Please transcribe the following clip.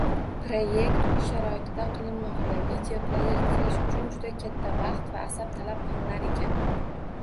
Proyekt uy sharoitida qilinmoqda, videoproyekt qilish juda katta vaqt va asab talab qilar ekan.